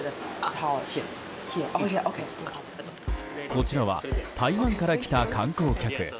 こちらは台湾から来た観光客。